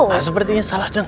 nah sepertinya salah dengar